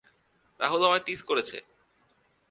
রাহুল আমায় টিজ করেছে।